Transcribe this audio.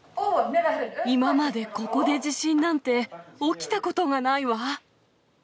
今までここで地震なんて、起きたことがないわ。